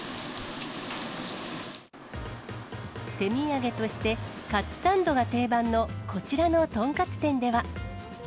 手土産としてカツサンドが定番のこちらの豚カツ店では。